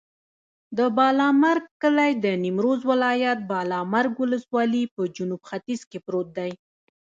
د بالامرګ کلی د نیمروز ولایت، بالامرګ ولسوالي په جنوب ختیځ کې پروت دی.